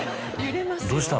「どうした？